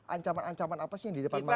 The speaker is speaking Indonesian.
ancaman ancaman apa sih yang di depan mata